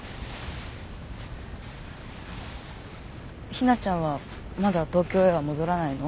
ひなちゃんはまだ東京へは戻らないの？